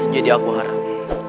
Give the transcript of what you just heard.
jadi aku harap